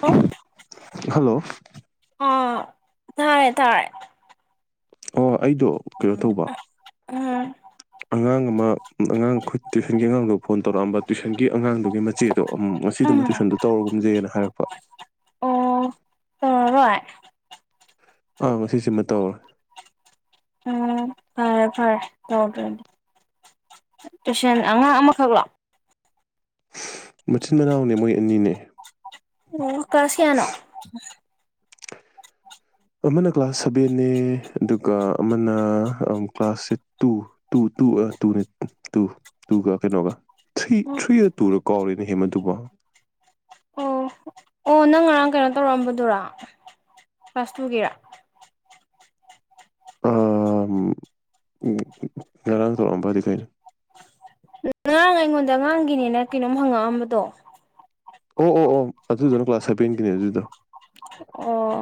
Hello hello ꯑ ꯊꯥꯔꯦ ꯊꯥꯔꯦ ꯑꯣ ꯑꯩꯗꯣ ꯀꯩꯅꯣ ꯇꯧꯕ ꯎꯝ ꯑꯉꯥꯡ ꯑꯃ ꯑꯉꯥꯡꯈ ꯇ꯭ꯋꯏꯁꯟꯒꯤ ꯑꯉꯥꯡꯗ ꯐꯣꯟ ꯇꯧꯔꯛꯑꯝꯕ ꯇ꯭ꯋꯏꯁꯟꯒꯤ ꯑꯉꯥꯡꯗꯨꯒꯤ ꯃꯆꯦꯗꯣ ꯑꯃ ꯉꯁꯤꯗꯨꯃ ꯎꯝ ꯇꯨꯋꯏꯁꯟꯗꯨꯣ ꯇꯧꯔꯒꯨꯝꯖꯩꯅ ꯍꯥꯏꯔꯛꯄ ꯑꯣ ꯇꯧꯔꯔꯣꯏ ꯑꯥ ꯁꯤꯁꯤꯃ ꯇꯧꯔꯦ ꯎꯝ ꯐꯔꯦ ꯐꯔꯦ ꯇꯧꯔꯗꯔꯗꯤ ꯇꯨꯁꯦꯟ ꯑꯉꯥꯡ ꯑꯃꯈꯛ ꯂꯥꯛꯑꯣ ꯃꯆꯤꯟ ꯃꯅꯥꯎꯅꯦ ꯃꯣꯏ ꯑꯅꯤꯅꯦ ꯑꯣ ꯀꯥꯁꯤꯌꯥꯅꯣ ꯑꯃꯅ ꯀ꯭ꯂꯥꯁ ꯁꯚꯦꯦ ꯑꯗꯨꯒ ꯑꯃꯅ ꯀ꯭ꯂꯥꯁꯦ ꯇꯨ ꯇ ꯇꯨꯅꯦ ꯇꯨ ꯇꯨꯒ ꯀꯩꯅꯣꯒ ꯊ꯭ꯔꯤ ꯊ꯭ꯔꯤ ꯇꯨꯔꯔ ꯀꯣꯂꯦꯖ ꯅꯍꯦ ꯃꯗꯨꯕ ꯑꯣ ꯑꯣ ꯅꯪ ꯉꯔꯥꯡ ꯀꯩꯅꯣ ꯇꯧꯔꯛꯑꯝꯕꯗꯨꯔ ꯀ꯭ꯂꯥꯁ ꯇꯨꯒꯤꯔ ꯎꯝ ꯉꯔꯥꯡ ꯊꯣꯛꯧꯝꯕꯗꯤꯈꯅ ꯑꯉꯥꯡ ꯑꯩꯉꯣꯟꯗ ꯑꯉꯥꯡꯒꯤꯅꯦꯅ ꯀꯩꯅꯣꯝ ꯍꯪꯉꯛꯑꯝꯕꯗꯣ ꯑꯣ ꯑꯣ ꯑꯣ ꯑꯗꯨꯗꯨꯅ ꯀ꯭ꯂꯥꯁ ꯍꯥꯏꯕꯦꯟꯒꯤꯅꯤ ꯑꯗꯨꯗꯣ ꯑꯣ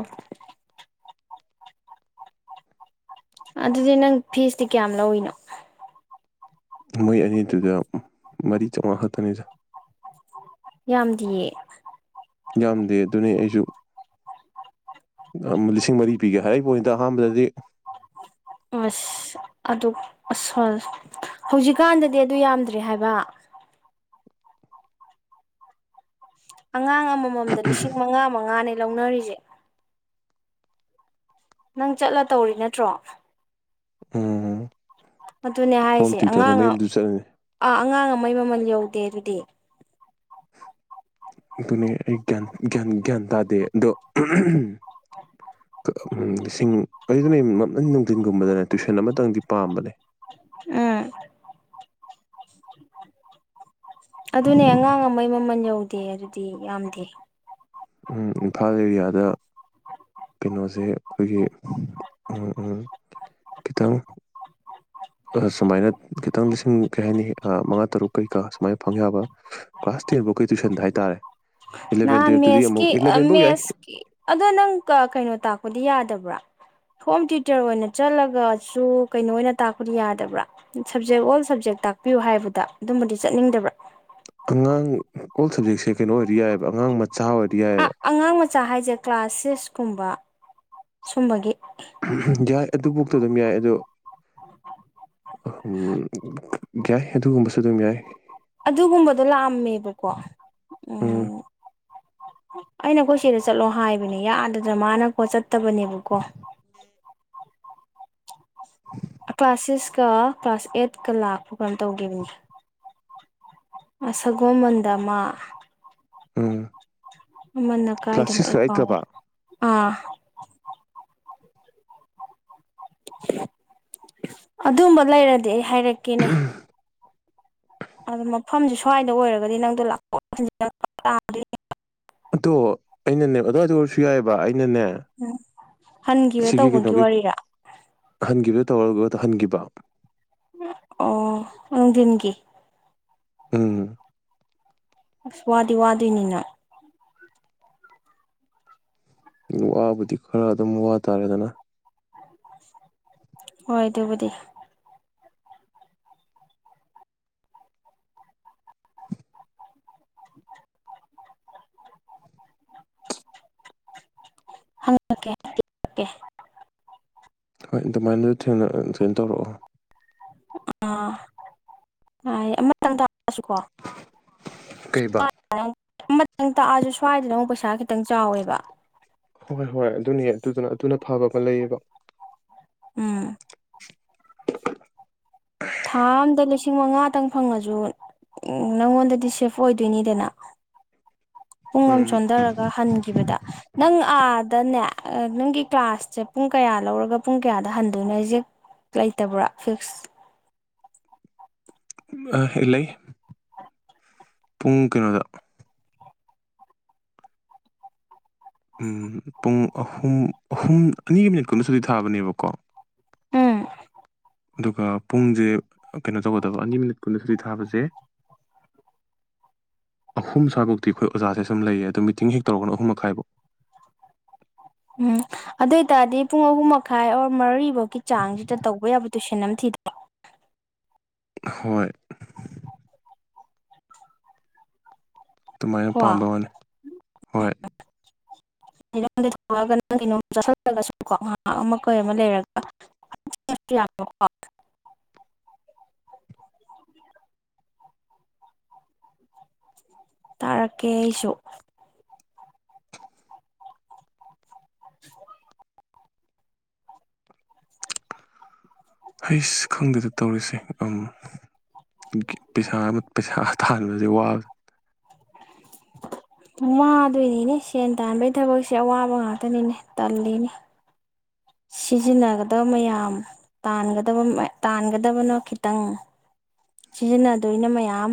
ꯑꯗꯨꯗꯤ ꯅꯪ ꯐꯤꯁꯇꯤ ꯀꯌꯥꯝ ꯂꯧꯏꯅꯣ ꯃꯣꯏ ꯑꯅꯤꯗꯨꯗ ꯃꯔꯤ ꯆꯥꯃꯉꯥ ꯈꯛꯇꯅꯤꯗ ꯌꯥꯝꯗꯤꯌꯦ ꯌꯥꯝꯗꯦ ꯑꯗꯨꯅꯤ ꯑꯩꯁꯨ ꯂꯤꯁꯤꯡ ꯃꯔꯤ ꯄꯤꯒꯦ ꯍꯥꯏꯔꯤꯕ ꯄꯣꯠꯅꯤꯗ ꯑꯍꯥꯟꯕꯗꯗꯤ ꯑꯁ ꯑꯗꯨ ꯑꯁ ꯍꯧꯖꯤꯛꯀꯥꯟꯗꯗꯤ ꯑꯗꯨ ꯌꯥꯝꯗ꯭ꯔꯦ ꯍꯥꯏꯕ ꯑꯉꯥꯡ ꯑꯃ ꯑꯃꯃꯝꯗ ꯂꯤꯁꯤꯡ ꯃꯉꯥ ꯃꯉꯥꯅꯤ ꯂꯧꯅꯔꯤꯁꯦ ꯅꯪ ꯆꯠꯂ ꯇꯧꯔꯤ ꯅꯠꯇ꯭ꯔꯣ ꯎꯝꯝ ꯑꯗꯨꯅꯦ ꯍꯥꯏꯔꯤꯁꯦ ꯑꯉꯥꯡ ꯆꯠꯂꯅꯤ ꯑꯥ ꯑꯉꯥꯡ ꯑꯃ ꯃ ꯃꯩ ꯃꯃꯜ ꯌꯧꯗꯦ ꯑꯗꯨꯗꯤ ꯑꯗꯨꯅꯦ ꯑꯩ ꯒ꯭ꯌꯥꯟ ꯇꯥꯗꯦ ꯑꯗꯣ ꯍ ꯎ ꯂꯤꯁꯤꯡ ꯑꯩꯔꯤꯗꯅ ꯅꯨꯡꯊꯤꯟꯒꯨꯝꯕꯗꯅꯦ ꯇ꯭ꯋꯨꯏꯁꯟ ꯑꯃꯇꯪꯗꯤ ꯄꯥꯝꯕꯅꯦ ꯎꯝ ꯑꯗꯨꯅꯦ ꯑꯉꯥꯡ ꯑꯃꯒꯤ ꯃꯃꯜ ꯌꯧꯗꯦ ꯑꯗꯨꯗꯤ ꯌꯥꯝꯗꯦ ꯎ ꯏꯝꯐꯥꯜ ꯑꯦꯔꯤꯌꯥꯗ ꯀꯩꯅꯣꯁꯦ ꯑꯩꯈꯣꯏꯒꯤ ꯎꯝ ꯎꯝ ꯈꯤꯇꯪ ꯁꯨꯃꯥꯏꯅ ꯈꯤꯇꯪ ꯂꯤꯁꯤꯡ ꯀꯔꯤ ꯍꯥꯏꯅꯤ ꯃꯉꯥ ꯇꯔꯨꯛ ꯀꯩꯀꯥ ꯁꯨꯃꯥꯏꯅ ꯐꯪ ꯌꯥꯕ ꯀ꯭ꯂꯥꯁ ꯇꯦꯟꯐꯧ ꯀꯩ ꯇꯨꯏꯁꯟꯗ ꯍꯥꯏ ꯇꯔꯦ ꯅꯍꯥꯟ ꯃꯦꯁꯀꯤ ꯌꯥꯏ ꯃꯦꯁꯀꯤ ꯑꯗꯣ ꯅꯪ ꯀꯩꯅꯣ ꯇꯥꯛ ꯄꯗꯤ ꯌꯥꯗꯕ꯭ꯔꯥ ꯍꯣꯝ ꯇ꯭ꯌꯨꯇꯔ ꯑꯣꯏꯅ ꯆꯠꯂꯒꯁꯨ ꯀꯩꯅꯣ ꯑꯣꯏꯅ ꯇꯥꯛꯄꯗꯤ ꯌꯥꯗꯕ꯭ꯔꯥ ꯁꯞꯖꯦꯛ ꯑꯣꯜ ꯁꯞꯖꯦꯛ ꯇꯥꯛꯄꯤꯌꯨ ꯍꯥꯏꯕꯗ ꯑꯗꯨꯝꯕꯗꯤ ꯆꯠꯅꯤꯡꯗꯕ꯭ꯔꯥ ꯑꯉꯥꯡ ꯑꯣꯜ ꯁꯕꯖꯦꯛꯁꯦ ꯀꯩꯅꯣ ꯑꯣꯏꯔꯤ ꯌꯥꯏꯑꯕ ꯑꯉꯥꯡ ꯃ ꯑ ꯑꯉꯥꯡ ꯃꯆꯥ ꯍꯥꯏꯁꯦ ꯀ꯭ꯂꯥꯁ ꯁꯤꯁ ꯀꯨꯝꯕ ꯁꯨꯝꯕꯒꯤ ꯌꯥꯏ ꯑꯗꯨꯐꯥꯎꯗ ꯑꯗꯨꯝ ꯌꯥꯏ ꯑꯗꯣ ꯍꯝ ꯌꯥꯏ ꯑꯗꯨꯒꯨꯝꯕꯁꯨ ꯑꯗꯨꯝ ꯌꯥꯏ ꯑꯗꯨꯒꯨꯝꯕꯗꯣ ꯂꯥꯛꯑꯝꯃꯦꯕꯀꯣ ꯎꯝ ꯑꯩꯅꯈꯣꯏ ꯁꯤꯗ ꯆꯠꯂꯣ ꯍꯥꯏꯕꯅꯦ ꯌꯥꯗꯗꯅ ꯃꯥꯅꯀꯣ ꯆꯠ ꯐꯠꯇꯕꯅꯦꯕꯀꯣ ꯀ꯭ꯂꯥꯁꯦꯁ ꯀ ꯀ꯭ꯂꯥꯁ ꯑꯦꯠꯀ ꯂꯥꯛꯄ ꯀꯩꯅꯥꯏ ꯇꯧꯈꯤꯕ ꯑꯁꯒꯣ ꯃꯟꯗꯃ ꯎꯝ [unintelligible] ꯃꯟꯅ ꯀ꯭ꯂꯥꯁ ꯀꯥꯏꯗꯅꯣ ꯑꯩ ꯁꯤꯛꯁꯀ ꯀꯥꯎꯔꯦ ꯑꯩꯠꯀꯕ ꯑꯥ ꯑꯗꯨꯝꯕ ꯂꯩꯔꯗꯤ ꯑꯩ ꯍꯥꯏꯔꯛꯀꯦ ꯀꯅꯦ ꯑꯗꯨ ꯃꯐꯝꯁꯤ ꯁ꯭ꯋꯥꯏꯗ ꯑꯣꯏꯔꯒꯗꯤ ꯅꯪꯗꯣ ꯂꯥꯛ ꯑꯗꯣ ꯑꯩꯅꯅꯦ ꯑꯗꯨꯋꯥꯏꯗ ꯑꯣꯏꯔꯁꯨ ꯌꯥꯏꯑꯕ ꯑꯩꯅꯅꯦ ꯎꯝ ꯍꯟꯦ ꯁꯤꯒꯤ ꯇꯧꯕꯒꯤ ꯀꯩꯅꯣꯒꯤ ꯋꯥꯔꯤꯔꯥ ꯍꯟꯈꯤꯕꯗ ꯇꯧꯔꯒ ꯇꯧꯍꯟꯈꯤꯕ ꯑꯣ ꯎꯗꯤꯟꯒꯤ ꯎꯝ ꯁ꯭ꯋꯥꯗꯤ ꯋꯥꯗꯅꯤꯅ ꯋꯥꯕꯨꯗꯤ ꯈꯔ ꯑꯗꯨꯝ ꯋꯥ ꯇꯥꯔꯦꯗꯅ ꯍꯣꯏ ꯑꯗꯨꯕꯨꯗꯤ [unintelligible] ꯍꯪꯉꯛꯀꯦꯦ ꯍꯣꯏ ꯑꯗꯨꯃꯥꯏꯅ ꯊꯦꯡꯅ ꯊꯅ ꯇꯧꯔꯛꯑꯣ ꯑ [unintelligible] ꯑꯃꯇꯪ ꯀꯩꯕ ꯇꯥꯛꯑꯁꯨ ꯁ꯭ꯋꯥꯏꯗꯅ ꯑꯃꯨꯛ ꯄꯩꯁꯥ ꯈꯤꯇꯪ ꯆꯥꯎꯋꯦꯕ ꯍꯣꯏ ꯍꯣꯏ ꯑꯗꯨꯅꯦ ꯑꯗꯨꯗꯨꯅ ꯑꯗꯨꯅ ꯐꯕ ꯑꯃ ꯂꯩꯌꯦꯕ ꯎꯝ ꯊꯥ ꯑꯝꯗ ꯂꯤꯁꯤꯡ ꯃꯉꯥꯇꯪ ꯐꯪꯉꯁꯨ ꯅꯪꯉꯣꯟꯗꯗꯤ ꯁꯦꯐ ꯑꯣꯏꯗꯣꯏꯅꯤꯗꯅ ꯄꯨꯡ ꯑꯃ ꯎꯝ ꯆꯣꯟꯗꯔ ꯍꯟꯈꯤꯕꯗ ꯅꯪ ꯑꯥꯗꯅꯦ ꯅꯪꯒꯤ ꯀ꯭ꯂꯥꯁꯁꯦ ꯄꯨꯡ ꯀꯌꯥ ꯂꯧꯔꯒ ꯄꯨꯡ ꯀꯌꯥꯗ ꯍꯟꯗꯣꯏꯅꯣ ꯑꯖꯦꯛ ꯂꯩꯇꯕ꯭ꯔꯥ ꯐꯤꯛꯁ꯫ ꯑ ꯂꯩ ꯄꯨꯡ ꯀꯩꯅꯣꯗ ꯎꯝ ꯄꯨꯡ ꯑꯍꯨꯝ ꯑꯍꯨꯝ ꯑꯅꯤꯒꯤ ꯃꯤꯅꯤꯠ ꯀꯨꯟꯗ ꯁꯨꯗꯤ ꯊꯥꯕꯅꯦꯕꯀꯣ ꯎꯝ꯫ ꯑꯗꯨꯒ ꯄꯨꯡꯖꯦ ꯀꯩꯅꯣ ꯇꯧꯒꯗꯕ ꯑꯅꯤ ꯃꯤꯅꯤꯠ ꯀꯨꯟ ꯁꯨꯇꯤ ꯊꯥꯕꯖꯦ ꯑꯍꯨꯝ ꯁ꯭ꯋꯥꯕꯥꯎꯇꯤ ꯑꯩꯈꯣꯏ ꯑꯣꯖꯥꯖꯦ ꯁꯨꯝ ꯂꯩꯌꯦ ꯑꯗꯣ ꯃꯤꯇꯤꯡ ꯍꯦꯛ ꯇꯧꯔꯒꯅ ꯑꯍꯨꯝ ꯃꯈꯥꯏꯕꯧ꯫ ꯎꯝ ꯑꯗꯨ ꯑꯣꯏꯇꯥꯔꯗꯤ ꯄꯨꯡ ꯑꯍꯨꯝ ꯃꯈꯥꯏ ꯑꯣꯔ ꯃꯔꯤ ꯒꯤ ꯆꯥꯡꯖꯤꯗ ꯇꯧꯕ ꯌꯥꯕꯗꯨ [unintelligible] ꯍꯣꯏ꯫ ꯑꯗꯨꯃꯥꯏꯅ ꯀꯣ ꯄꯥꯝꯕ ꯋꯥꯅꯤ ꯍꯣꯏ꯫ [unintelligible] ꯇꯥꯔꯛꯀꯦ ꯑꯩꯁꯨ ꯍꯩꯁ ꯈꯪꯗꯦꯗ ꯇꯧꯔꯤꯁꯦ ꯎꯝ ꯄꯩꯁꯥ ꯑꯃ ꯄꯩꯁꯥ ꯇꯥꯟꯕꯖꯦ ꯋꯥ ꯋꯥꯗꯣꯏꯅꯤꯅꯦ ꯁꯦꯟ ꯇꯥꯟꯕꯒꯤ ꯊꯕꯛꯁꯦ ꯑꯋꯥꯕ ꯉꯥꯛꯇꯅꯤꯅꯦ ꯇꯜꯂꯤꯅꯦ꯫ ꯁꯤꯖꯤꯟꯅꯒꯗꯕ ꯃꯌꯥꯝ ꯇꯥꯟꯒꯗꯕꯅ ꯃ ꯇꯥꯟꯒꯗꯕꯅ ꯈꯤꯇꯪ ꯁꯤꯖꯤꯟꯅꯗꯣꯏꯅ ꯃꯌꯥꯝ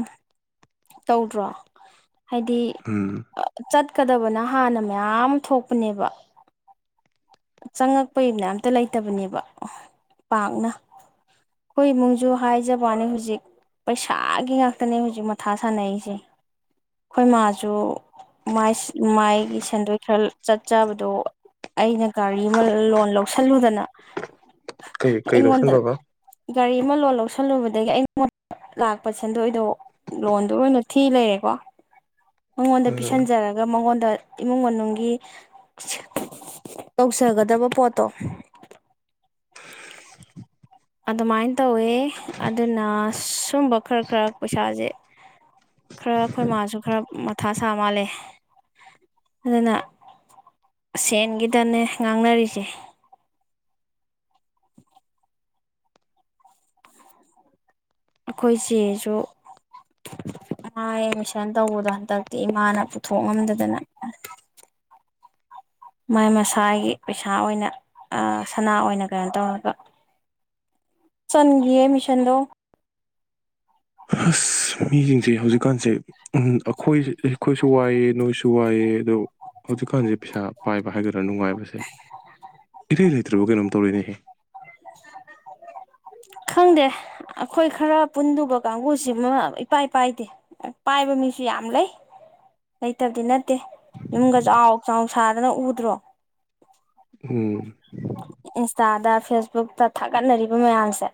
ꯇꯧꯗ꯭ꯔꯣ꯫ ꯍꯥꯏꯗꯤ ꯎꯝ ꯑ ꯆꯠ ꯆꯠꯀꯗꯕꯅ ꯍꯥꯟꯅ ꯃꯌꯥꯝ ꯊꯣꯛꯄꯅꯦꯕ꯫ ꯆꯪꯉꯛꯄꯩꯅ ꯑꯝꯇ ꯂꯩꯇꯕꯅꯦꯕ ꯄꯥꯛꯅ ꯑꯩꯈꯣꯏ ꯏꯃꯨꯡꯖꯨ ꯍꯥꯏꯖꯕꯋꯥꯅꯦ ꯍꯧꯖꯤꯛ ꯄꯩꯁꯥꯒꯤ ꯉꯥꯛꯇꯅꯦ ꯍꯧꯖꯤꯛ ꯃꯊꯥ ꯁꯥꯟꯅꯩꯖꯦ ꯑꯩꯈꯣꯏ ꯃꯥꯁꯨ ꯃꯥꯏꯒꯤ ꯁꯦꯟꯗꯣꯏ ꯈꯔ ꯆꯠꯆꯕꯗꯣ ꯑꯩꯅ ꯒꯥꯔꯤ ꯑꯃ ꯂꯣꯟ ꯂꯧꯁꯤꯜꯂꯨꯗꯅ ꯀꯩ ꯀꯩ ꯑꯩꯉꯣꯟꯗ ꯂꯧꯁꯟꯕꯕꯥ ꯒꯥꯔꯤ ꯑꯃ ꯂꯣꯟ ꯂꯧꯁꯤꯜꯂꯨꯕꯗꯒꯤ ꯑꯩꯉꯣꯟ ꯂꯥꯛꯄ ꯁꯦꯟꯗꯣꯏꯗꯣ ꯂꯣꯟꯗ ꯑꯣꯏꯅ ꯊꯤ ꯂꯩꯔꯦꯀꯣ ꯃꯉꯣꯟꯗ ꯎꯝ ꯄꯤꯁꯟꯖꯔꯒ ꯃꯉꯣꯟꯗ ꯗ ꯏꯃꯨꯡ ꯃꯅꯨꯡꯒꯤ ꯇꯧꯖꯒꯗꯕ ꯄꯣꯠꯇꯣ ꯑꯗꯨꯃꯥꯏꯅ ꯇꯧꯋꯦ ꯑꯗꯨꯅ ꯁꯨꯝꯕ ꯈꯔ ꯈꯔ ꯄꯩꯁꯥꯁꯦ ꯈꯔ ꯑꯩꯈꯣꯏ ꯃꯥꯁꯨ ꯈꯔ ꯃꯊꯥ ꯁꯥ ꯃꯥꯜꯂꯦ ꯑꯗꯨꯅ ꯁꯦꯟꯒꯤꯗꯅꯦ ꯉꯥꯡꯅꯔꯤꯖꯦ꯫ ꯑꯩꯈꯣꯏ ꯆꯦꯁꯨ ꯃꯥ ꯑꯦꯠꯃꯤꯁꯟ ꯇꯧꯕꯗꯣ ꯍꯟꯗꯛꯇꯤ ꯏꯃꯥꯅ ꯄꯨꯊꯣꯛ ꯉꯝꯗꯗꯅ ꯃꯥꯏ ꯃꯁꯥꯒꯤ ꯄꯩꯁꯥ ꯑꯣꯏꯅ ꯁꯅꯥ ꯑꯣꯏꯅ ꯀꯩꯅꯣ ꯇꯧꯔꯒ ꯆꯟꯒꯤꯌꯦ ꯑꯦꯗꯃꯤꯁꯟꯗꯣ꯫ ꯑꯁ ꯃꯤꯖꯤꯡꯖꯦ ꯍꯧꯖꯤꯛꯀꯥꯟꯖꯦ ꯑꯩꯈꯣꯏ ꯑꯩꯈꯣꯏꯁꯨ ꯋꯥꯏꯌ‌ꯦ ꯅꯣꯏꯁꯨ ꯋꯥꯏꯌ‌ꯦ ꯑꯗꯣ ꯍꯧꯖꯤꯛꯀꯥꯟꯁꯦ ꯄꯩꯁꯥ ꯄꯥꯏꯕ ꯍꯥꯏꯒꯗ꯭ꯔꯥ ꯅꯨꯡꯉꯥꯏꯕꯁꯦ ꯏꯔꯩ ꯂꯩꯇ꯭ꯔꯕ ꯀꯩꯅꯣꯝ ꯇꯧꯔꯦꯅꯦꯍꯦ꯫ ꯈꯪꯗꯦ ꯑꯩꯈꯣꯏ ꯈꯔ ꯄꯨꯟꯗꯧꯕ ꯀꯥꯡꯕꯨꯁꯤꯃ ꯏꯄꯥꯥꯏꯄꯥꯏꯗꯦ ꯄꯥꯏꯕ ꯃꯤꯁꯨ ꯌꯥꯝ ꯂꯩ ꯂꯩꯇꯕꯗꯤ ꯅꯠꯇꯦ ꯌꯨꯝꯒ ꯆꯥꯎ ꯆꯥꯎ ꯁꯥꯗꯅ ꯎꯗ꯭ꯔꯣ꯫ ꯎꯡ ꯇꯥꯗꯥꯥ ꯐꯦꯁ ꯕꯨꯛꯇ ꯊꯥꯒꯠꯅꯔꯤꯕ ꯃꯌꯥꯝꯁꯦ꯫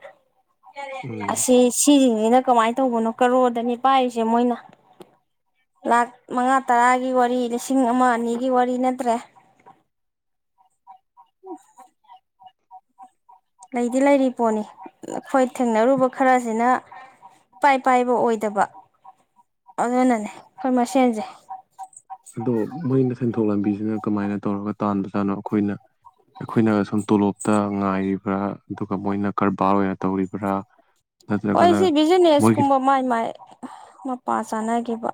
ꯎꯝ ꯑꯁꯤ ꯁꯤ [unintelligible] ꯀꯃꯥꯏꯅ ꯇꯧꯕꯅꯣ ꯀꯔꯣꯔꯗꯅꯤ ꯄꯥꯏꯔꯤꯖꯦ ꯃꯣꯏꯅ ꯂꯥꯛ ꯃꯉꯥ ꯇꯔꯥꯒꯤ ꯋꯥꯔꯤ ꯂꯤꯁꯤꯡ ꯑꯃ ꯑꯅꯤꯒꯤ ꯋꯥꯔꯤ ꯅꯠꯇ꯭ꯔꯦ꯫ ꯂꯩꯗꯤ ꯂꯩꯔꯤ ꯄꯣꯠꯅꯤ ꯑꯩꯈꯣꯏ ꯊꯦꯡꯅꯔꯨꯕ ꯈꯔꯖꯤꯅ ꯏꯄꯥꯏ ꯄꯥꯏꯕ ꯑꯣꯏꯗꯕ ꯑꯗꯨꯅꯅꯦ ꯑꯩꯈꯣꯏ ꯃꯁꯦꯟꯖꯦ꯫ ꯑꯗꯣ ꯃꯣꯏꯅ ꯁꯦꯟꯊꯣꯛ ꯂꯝꯕꯤꯖꯤꯅ ꯀꯃꯥꯏꯅ ꯇꯧꯔꯒ ꯇꯥꯟꯕꯖꯥꯠꯅꯣ ꯑꯩꯈꯣꯏꯅ ꯑꯩꯈꯣꯏꯅ ꯁꯨꯝ ꯇꯣꯂꯣꯞ ꯇ ꯉꯥꯏꯔꯤꯕ꯭ꯔꯥ ꯑꯗꯨꯒ ꯃꯣꯏꯅ ꯀꯔꯕꯥꯔ ꯑꯣꯏꯅ ꯇꯧꯔꯤꯕ꯭ꯔꯥ ꯍꯣꯏ ꯅꯠꯇ꯭ꯔꯒꯅ ꯁꯤ ꯕꯤꯖꯤꯅꯦꯁ ꯃꯣꯏꯒꯤ ꯀꯨꯝꯕ ꯃꯥꯏ ꯃꯥꯏ ꯃꯄꯥ ꯆꯥꯅꯈꯤꯕ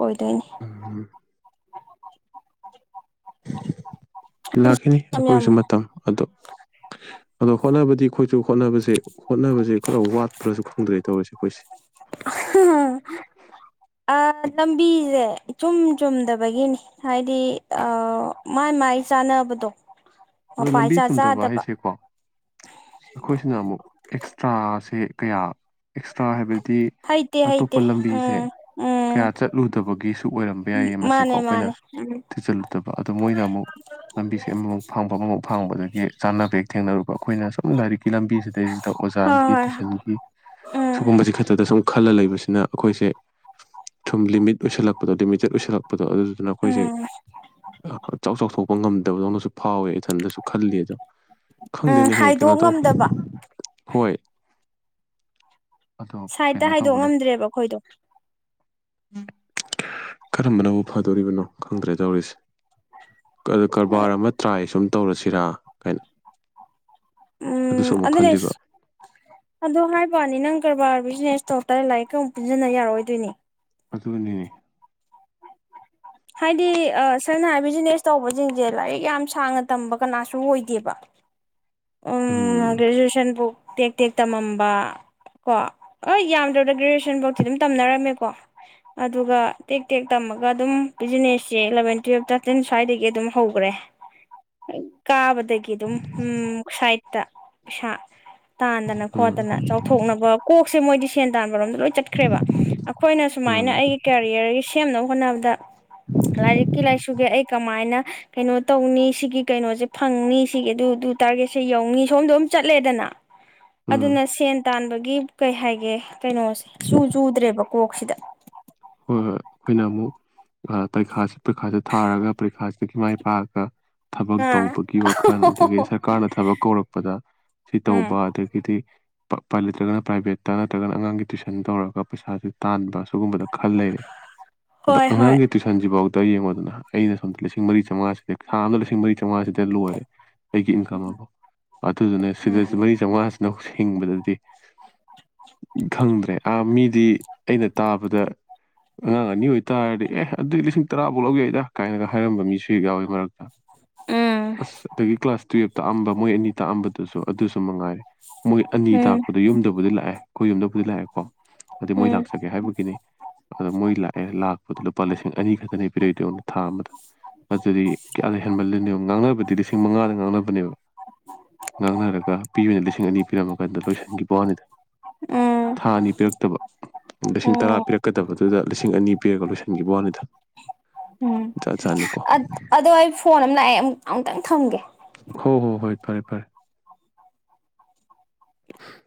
ꯑꯣꯏꯗꯣꯏꯅꯤ [inaudible] ꯎꯝ ꯂꯥꯛꯈꯤꯅꯤ ꯌꯥꯝ ꯌꯥꯝ ꯑꯩꯈꯣꯏꯒꯤꯁꯨ ꯃꯇꯝ ꯑꯗꯣ ꯑꯗꯣ ꯍꯣꯠꯅꯕꯗꯤ ꯑꯩꯈꯣꯢ ꯍꯣꯠꯅꯕꯁꯦ ꯍꯣꯠꯅꯕꯁꯦ ꯈꯔ ꯋꯥꯠꯄ꯭ꯔꯁꯨ ꯈꯪꯗ꯭ꯔꯦ ꯇꯧꯔꯤꯁꯦ ꯑꯩꯈꯣꯏꯁꯦ ꯂꯝꯕꯤꯁꯦ ꯏꯆꯨꯝ ꯆꯨꯝꯗꯕꯒꯤꯅꯤ ꯍꯥꯏꯗꯤ ꯃꯥꯏ ꯃꯥꯏ ꯆꯥꯟꯅꯕꯗꯣ ꯑꯗꯣ ꯂꯝꯕꯤ ꯆꯨꯝꯗꯕ ꯍꯥꯏꯁꯦꯀꯣ ꯑꯩꯈꯣꯏꯁꯤꯅ ꯑꯃꯨꯛ ꯑꯦꯛꯁꯇ꯭ꯔꯥꯁꯦ ꯀꯌꯥ ꯑꯦꯛꯁꯇ꯭ꯔꯥ ꯍꯥꯏꯕꯗꯤ ꯗꯤ ꯍꯩꯇꯦ ꯑꯇꯣꯞꯄ ꯍꯩꯇꯦ ꯂꯝꯕꯤꯁꯦ ꯎꯝ ꯎꯝ ꯀꯌꯥ ꯆꯠꯂꯨꯗꯕꯒꯤꯁꯨ ꯑꯣꯏꯔꯝꯕ ꯌꯥꯏꯌꯦ ꯃꯁꯤꯀꯣ ꯃꯥꯅꯦ ꯑꯩꯈꯣꯏꯅ ꯃꯥꯅꯦ ꯎꯝ ꯊꯤꯖꯤꯜꯂꯨꯗꯕ ꯑꯗꯣ ꯃꯣꯏꯅ ꯑꯃꯨꯛ ꯂꯝꯕꯤꯁꯦ ꯑꯃꯃꯝ ꯐꯪꯐꯝ ꯑꯃꯃꯥꯎ ꯐꯪꯕꯗꯨꯗꯒꯤ ꯆꯥꯅꯕ ꯍꯦꯛ ꯊꯦꯡꯅꯔꯨꯕ ꯑꯩꯈꯣꯏꯅ ꯁꯨꯝ ꯂꯥꯏꯔꯤꯛ ꯂꯝꯕꯤ ꯁꯤꯗꯩꯁꯤꯗ ꯍꯣꯏ ꯑꯣꯖꯥꯒꯤ ꯍꯣꯏ ꯇꯨꯋꯏꯁꯟꯒꯤ ꯎꯝ ꯁꯤꯒꯨꯝꯕꯁꯦ ꯈꯛꯇꯗ ꯁꯨꯝ ꯈꯜꯂ ꯂꯩꯕꯁꯤꯅ ꯑꯩꯈꯣꯏꯁꯦ ꯁꯨꯝ ꯂꯤꯃꯤꯠ ꯑꯣꯏꯁꯜꯂꯛꯄꯗꯣ ꯂꯤꯃꯤꯇꯦꯠ ꯑꯣꯏꯁꯜꯂꯛꯄ ꯗꯣ ꯑꯗꯨꯗꯨꯅ ꯑꯩꯈꯣꯏꯁꯦ ꯎꯝ ꯆꯥꯎ ꯆꯥꯎꯊꯣꯛ ꯑꯣꯉꯝꯗ ꯐꯥꯎꯋꯦ ꯏꯊꯟꯗꯁꯨ ꯈꯜꯂꯤ ꯑꯗꯣ ꯎꯝ ꯈꯪꯗꯦꯅꯦꯍꯦ ꯀꯩꯅꯣ ꯍꯥꯏꯗꯣꯛ ꯇꯧ ꯉꯝꯗꯕ ꯍꯣꯏ ꯑꯗꯣ ꯁꯥꯏꯗꯠꯇ ꯀꯩꯅꯣ ꯍꯥꯏꯗꯣꯛ ꯇꯧꯕꯅ ꯉꯝꯗ꯭ꯔꯦꯕ ꯑꯩꯈꯣꯏꯗꯣ ꯀꯔꯝꯕꯅꯕꯨ ꯐꯗꯣꯔꯤꯕꯅꯣ ꯈꯪꯗ꯭ꯔꯦ ꯇꯧꯔꯤꯁꯦ ꯑꯗ ꯀꯔꯕꯥꯔ ꯑꯃ ꯇ꯭ꯔꯥꯏ ꯁꯨꯝ ꯇꯧꯔꯁꯤꯔꯥ ꯀꯥꯏꯅ ꯎꯝ ꯑꯗꯨꯁꯨ ꯑꯃꯨꯛ ꯈꯜꯂꯤꯕ ꯑꯅꯦꯁ ꯑꯗꯨ ꯍꯥꯏ ꯀꯕꯥꯅꯤ ꯅꯪ ꯀꯔꯕꯥꯔ ꯕꯤꯖꯤꯅꯦꯁ ꯇꯧꯔ ꯇꯔ ꯂꯥꯏꯔꯤꯛꯀ ꯑꯃꯨꯛ ꯄꯨꯟꯁꯤꯟꯅ ꯌꯥꯔꯣꯏꯗꯣꯏꯅꯤ ꯑꯗꯨꯅꯤ ꯍꯥꯏꯗꯤ ꯁꯝꯅ ꯍꯥꯏ ꯕꯤꯖꯤꯅꯦꯁ ꯇꯧꯕꯁꯤꯡꯁꯦ ꯂꯥꯏꯔꯤꯛ ꯌꯥꯝ ꯁꯥꯡꯅ ꯇꯝꯕ ꯀꯅꯥꯁꯨ ꯑꯣꯏꯗꯦꯕ ꯭ꯎꯝ ꯎꯝ ꯒ꯭ꯔꯦꯖꯨꯌꯦꯁꯟꯕꯨ ꯇꯦꯛ ꯇꯦꯛ ꯇꯝꯃꯝꯕ ꯀꯣ ꯍ ꯌꯥꯝꯗ꯭ꯔꯕꯗ ꯒ꯭ꯔꯦꯖꯨꯌꯦꯁꯟꯐꯧꯇꯤ ꯑꯗꯨꯝ ꯇꯝꯅꯔꯝꯃꯦꯀꯣ ꯑꯗꯨꯒ ꯇꯦꯛ ꯇꯦꯛ ꯇꯝꯃꯒ ꯑꯗꯨꯝ ꯕꯤꯖꯤꯅꯦꯁꯁꯦ ꯏꯂꯚꯦꯟ ꯇꯨꯋꯦꯜꯞ ꯇꯥꯔꯇꯤꯟ ꯁ꯭ꯋꯥꯏꯗꯒꯤ ꯑꯗꯨꯝ ꯍꯧꯈ꯭ꯔꯦ ꯀꯥꯕꯗꯒꯤ ꯑꯗꯨꯝꯝ ꯁꯥꯏꯠꯇ ꯄꯩꯁꯥ ꯇꯥꯟꯗꯅ ꯎꯝ ꯈꯣꯠꯇꯅ ꯆꯥꯎꯊꯣꯛꯅꯕ ꯀꯣꯛꯁꯦ ꯃꯣꯏꯗꯤ ꯁꯦꯟ ꯇꯥꯟꯕꯔꯣꯝ ꯂꯣꯏ ꯆꯠꯈ꯭ꯔꯦꯕ ꯑꯩꯈꯣꯏꯅ ꯎꯝ ꯁꯨꯃꯥꯏꯅ ꯑꯩꯒꯤ ꯀꯦꯔꯤꯌꯔꯒꯤ ꯁꯦꯝꯅꯕ ꯍꯣꯠꯅꯕꯗ ꯂꯔꯤꯛꯀꯤ ꯂꯥꯏꯁꯨꯒꯦ ꯑꯩ ꯀꯃꯥꯏꯅ ꯀꯩꯅꯣ ꯇꯧꯅꯤ ꯁꯤꯒꯤ ꯀꯩꯅꯣꯁꯦ ꯐꯪꯅꯤ ꯁꯤꯒꯤ ꯑꯗꯨ ꯑꯗꯨ ꯇꯥꯔꯒꯦꯠꯁꯦ ꯌꯧꯅꯤ ꯁꯣꯝꯗ ꯑꯗꯨꯝ ꯆꯠꯂꯦꯗꯅ ꯎꯝ ꯑꯗꯨꯅ ꯁꯦꯟ ꯇꯥꯟꯕꯒꯤ ꯀꯩ ꯍꯥꯏꯒꯦ ꯀꯩꯅꯣꯁꯦ ꯆꯨ ꯆꯨꯗ꯭ꯔꯦꯕ ꯀꯣꯛꯁꯤꯗ ꯍꯣꯏ ꯍꯣꯏ ꯑꯩꯈꯣꯏꯅ ꯑꯃꯨꯛ ꯄꯔꯤꯈꯥꯁꯤ ꯄꯔꯤꯈꯥꯁꯤ ꯊꯥꯔꯒ ꯄꯔꯤꯈꯥꯁꯤꯗꯒꯤ ꯃꯥꯏ ꯄꯥꯛꯑꯒ ꯊꯕꯛ ꯑꯥ ꯇꯧꯕꯒꯤ ꯋꯥꯈꯜ ꯑꯗꯒꯤ ꯁꯔꯀꯥꯔꯅ ꯊꯕꯛ ꯀꯧꯔꯛꯄꯗ ꯁꯤ ꯎꯝ ꯇꯧꯕ ꯑꯗꯒꯤꯗꯤ ꯄꯥꯏ ꯂꯩꯇ꯭ꯔꯒꯅ ꯄ꯭ꯔꯥꯏꯚꯦꯠꯇ ꯅꯠꯇ꯭ꯔꯒꯅ ꯑꯉꯥꯡꯒꯤ ꯇꯨꯏꯁꯟ ꯇꯧꯔꯒ ꯄꯩꯁꯥꯥꯁꯦ ꯇꯥꯟꯕ ꯁꯤꯒꯨꯝꯕ ꯈꯜ ꯂꯩꯔꯦ ꯑꯗꯣ ꯍꯣꯏ ꯍꯣꯏ ꯑꯉꯥꯡꯒꯤ ꯇꯨꯏꯁꯟꯁꯤꯐꯥꯎ ꯌꯦꯉꯨꯗꯨꯅ ꯑꯩꯅ ꯁꯣꯝꯗ ꯂꯤꯁꯤꯡ ꯃꯔꯤ ꯆꯥꯃꯉꯥꯁꯦ ꯊꯥ ꯑꯃꯗ ꯂꯤꯁꯤꯡ ꯃꯔꯤ ꯆꯧꯉꯥꯁꯤꯗ ꯂꯣꯏꯔꯦ ꯑꯩꯒꯤ ꯏꯟꯀꯝ ꯑꯕꯨ ꯑꯗꯨꯗꯨꯅꯦ ꯁꯤꯗ ꯎꯝ ꯃꯔꯤ ꯆꯥꯝꯃꯉꯥꯁꯤꯅ ꯍꯧꯖꯤꯛ ꯍꯤꯡꯕꯗꯗꯤ ꯈꯪꯗ꯭ꯔꯦ ꯃꯤꯗꯤ ꯑꯩꯅ ꯇꯥꯕꯗ ꯑꯉꯥꯡ ꯑꯅꯤ ꯑꯣꯏ ꯇꯥꯔꯗꯤ ꯑꯦ ꯑꯗꯨꯗꯤ ꯂꯤꯁꯤꯡ ꯇꯔꯥꯐꯧ ꯂꯧ ꯌꯥꯏꯗ ꯀꯥꯏꯅꯒ ꯍꯥꯏꯔꯝꯕ ꯃꯤꯁꯨꯛ ꯌꯥꯎꯋꯤ ꯃꯔꯛꯇ ꯎꯝ ꯑꯁ ꯑꯗꯒꯤ ꯀ꯭ꯂꯥꯁ ꯇꯨꯌꯦꯜꯞ ꯇꯥꯛꯑꯝꯕ ꯃꯣꯏ ꯑꯅꯤ ꯇꯑꯝꯕꯗꯨꯁꯨ ꯑꯗꯨ ꯁꯨꯝ ꯃꯉꯥꯏꯔꯦ ꯃꯣꯏ ꯑꯅꯤ ꯎꯝ ꯇꯥꯛꯄꯗ ꯌꯨꯝꯗꯕꯨꯗꯤ ꯂꯥꯛꯑꯦ ꯑꯩꯈꯣꯏ ꯌꯨꯝꯗꯕꯨꯗꯤ ꯂꯥꯛꯑꯦꯀꯣ ꯑꯗꯨꯗꯤ ꯃꯣꯏ ꯎꯝ ꯂꯥꯛꯆꯒꯦ ꯍꯥꯏꯕꯒꯤꯅꯤ ꯑꯗꯣ ꯃꯣꯏ ꯂꯥꯛꯑꯦ ꯂꯥꯛꯄꯗ ꯂꯨꯄꯥ ꯂꯤꯁꯤꯡ ꯑꯅꯤ ꯈꯛꯇꯅꯤ ꯄꯤꯔꯛꯏꯗꯣ ꯑꯩꯉꯣꯟꯗ ꯊꯥ ꯑꯃꯗ ꯑꯗꯨꯗꯤ ꯀꯌꯥ ꯂꯩ ꯍꯦꯟꯃꯜꯂꯤꯅꯣ ꯗꯤ ꯂꯤꯁꯤꯡ ꯃꯉꯥꯗ ꯉꯥꯡꯅꯕꯅꯦꯕ ꯉꯥꯡꯅꯔꯒ ꯄꯤꯕꯅ ꯂꯤꯁꯤꯡ ꯑꯅꯤ ꯄꯤꯔꯝꯃꯀꯥꯟꯗ ꯂꯣꯏꯁꯤꯟꯈꯤꯕ ꯋꯥꯅꯤꯗ ꯎꯝ ꯊꯥ ꯑꯅꯤ ꯄꯤꯔꯛꯇꯕ ꯂꯤꯁꯤꯡ ꯇꯔꯥ ꯎꯝ ꯄꯤꯔꯛꯀꯗꯕꯗꯣ ꯑꯗꯨꯗ ꯂꯤꯁꯤꯡ ꯑꯅꯤ ꯄꯤꯔꯒ ꯂꯣꯏꯁꯤꯟꯈꯤꯕ ꯋꯥꯅꯤꯗ ꯖꯥꯠ ꯖꯥꯠꯅꯤꯀꯣ ꯑ ꯑꯗꯧ ꯑꯩ ꯐꯣꯟ ꯑꯝ ꯂꯥꯛꯑꯦ ꯑꯃꯨꯛꯇꯪ ꯊꯝꯒꯦ ꯍꯣ ꯍꯣ ꯍꯣꯏ ꯐꯔꯦ ꯐꯔꯦ [unintelligible]